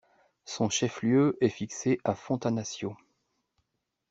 Son chef-lieu est fixé à Fontanaccio.